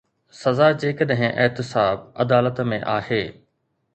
سزا جيڪڏهن احتساب عدالت ۾ آهي.